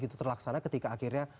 terlaksana ketika akhirnya